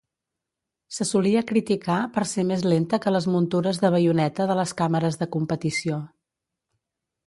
Se solia criticar per ser més lenta que les muntures de baioneta de les càmeres de competició